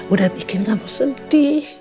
udah bikin kamu sedih